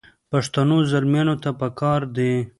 پښتنو زلمیانو ته پکار دي.